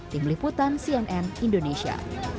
tim liputan cnn indonesia